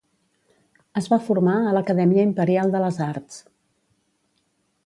Es va formar a l'Acadèmia Imperial de les Arts.